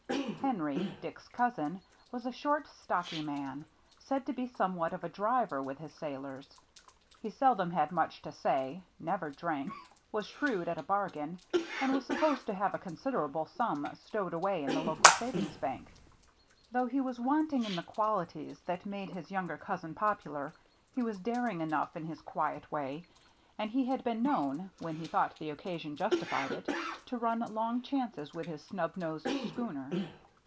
Henry, Dick's cousin, was a short, stocky, man, said to be somewhat of a driver with his sailors. He seldom had much to say, never drank, was shrewd at a bargain, and was supposed to have a considerable sum stowed away in the local savings bank. Though he was wanting in the qualities that made his younger cousin popular, he was daring enough in his quiet way, and he had been known, when he thought the occasion justified it, to run long chances with his snub nosed schooner.